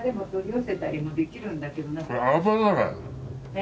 え？